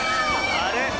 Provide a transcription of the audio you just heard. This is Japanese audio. あれ？